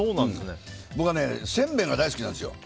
僕はせんべいが大好きなんですよ。